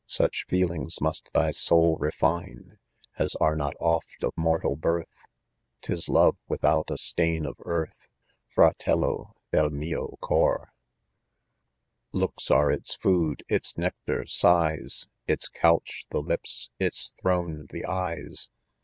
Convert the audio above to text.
Such feelfngs rmrst thy soul refine As arc not oft of mortal birth: ? Tis 'love without a stain, of earth, Fraiello del mio cor. Looks are its food, its nectar sighs, Its couch the lips, its throne the eyes.